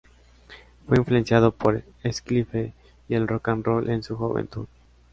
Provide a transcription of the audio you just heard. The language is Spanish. Fue influenciado por el skiffle y el rock and roll en su juventud.